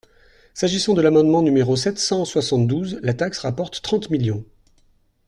S’agissant de l’amendement numéro sept cent soixante-douze, la taxe rapporte trente millions.